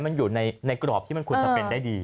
มันอยู่ในกรอบที่มันควรจะเป็นได้ดี